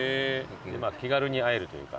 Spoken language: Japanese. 気軽に入るというか。